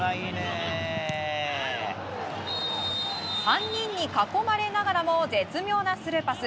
３人に囲まれながらも絶妙なスルーパス。